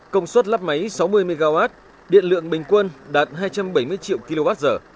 công suất lắp máy sáu mươi mw điện lượng bình quân đạt hai trăm bảy mươi triệu kwh